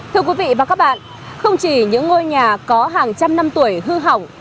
thưa quý vị và các bạn không chỉ những ngôi nhà có hàng trăm năm tuổi hư hỏng